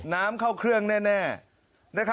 น้ำเข้าเครื่องแน่